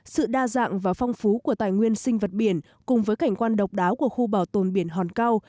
sự đa dạng và phong phú của tài nguyên sinh vật biển cùng với cảnh quan độc đáo của khu bảo tồn biển hòn cao